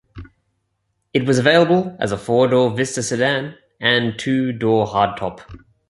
It was available as a four-door Vista sedan and two-door hardtop.